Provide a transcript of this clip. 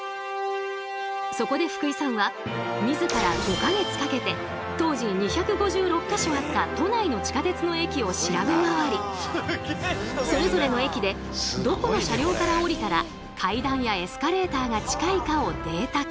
そこで福井さんは自ら５か月かけて当時２５６か所あった都内の地下鉄の駅を調べ回りそれぞれの駅でどこの車両から降りたら階段やエスカレーターが近いかをデータ化。